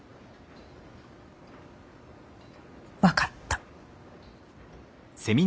分かった。